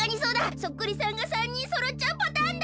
そっくりさんが３にんそろっちゃうパターンだ！